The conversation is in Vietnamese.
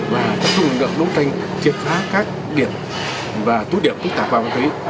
và cấp dụng lực lượng đối tranh triệt phá các điểm và túi điểm tích tạp vào ma túy